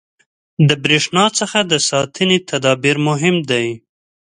• د برېښنا څخه د ساتنې تدابیر مهم دي.